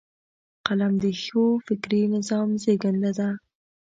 قلم د ښو فکري نظام زیږنده ده